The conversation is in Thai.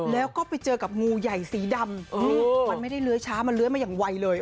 แล้วก็ไปเจอกับงูใหญ่สีดำเนี่ยฟันไม่ได้เลี้ยวช้าม่าเลี้ยวมาอย่างไวเลย